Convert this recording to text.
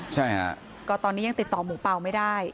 ใช่ฮะก็ตอนนี้ยังติดต่อหมูเปล่าไม่ได้